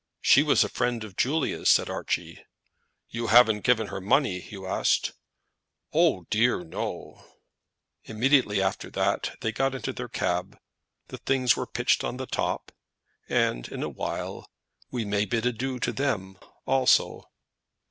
"She was a friend of Julia's," said Archie. "You haven't given her money?" Hugh asked. "O dear, no," said Archie. Immediately after that they got into their cab; the things were pitched on the top; and, for a while, we may bid adieu to them also.